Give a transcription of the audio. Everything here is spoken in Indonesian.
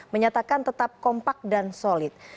menyatakan tetap kompak dan solid